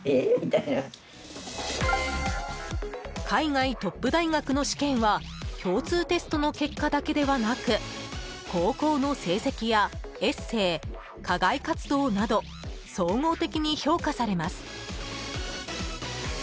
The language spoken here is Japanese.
海外トップ大学の試験は共通テストの結果だけではなく高校の成績やエッセー、課外活動など総合的に評価されます。